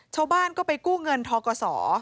ชาวบ้านก็ไปกู้เงินทกศ